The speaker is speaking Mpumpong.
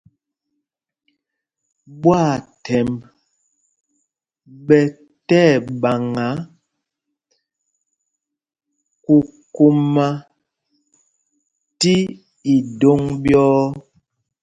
Ɓwâthɛmb ɓɛ tí ɛɓaŋǎ kūkūmā tí idōŋ ɓyɔ̄ɔ̄.